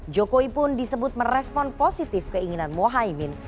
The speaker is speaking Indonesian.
jokowi pun disebut merespon positif keinginan mohaimin